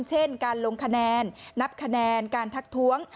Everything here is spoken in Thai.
เช่นการลงคะแนนนับคะแนนการทักท้วง